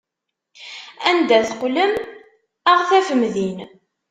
Anda teqqlem, ad ɣ-tafem din!